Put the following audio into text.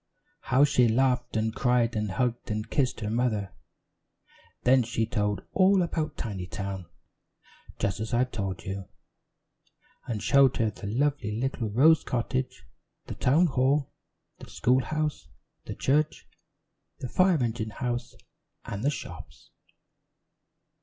How she laughed and cried and hugged and kissed her mother. Then she told all about Tinytown just as I've told you, and showed her the lovely little Rose Cottage, the town hall, the school house, the church, the fire engine house and the shops.